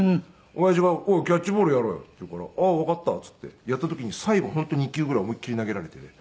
親父が「おいキャッチボールやろうよ」って言うから「ああーわかった」っていってやった時に最後本当に２球ぐらい思い切り投げられて。